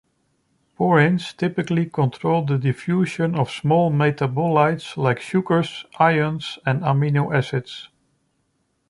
Porins typically control the diffusion of small metabolites like sugars, ions, and amino acids.